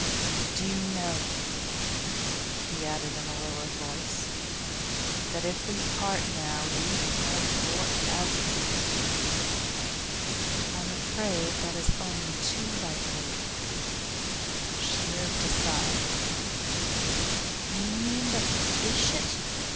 'Do you know, Amy,' he added in a lower voice, 'that if we part now, we part for ever?' 'I'm afraid that is only too likely.' She moved aside. 'You mean that you wish it.